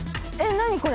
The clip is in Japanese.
「何これ？